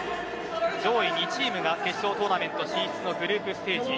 上位２チームが決勝トーナメント進出のグループステージ